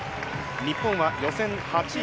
日本は予選８位。